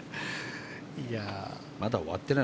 まだ終わってない。